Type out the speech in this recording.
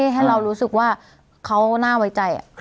ให้เรารู้สึกว่าเขาน่าไว้ใจ